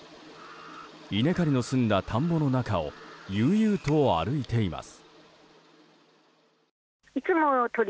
稲刈りの済んだ田んぼの中を悠々と歩いています。